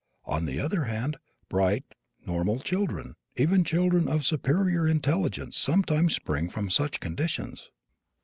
On the other hand, bright, normal children, even children of superior intelligence sometimes spring from such conditions."